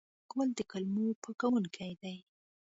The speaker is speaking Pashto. غول د کولمو پاکونکی دی.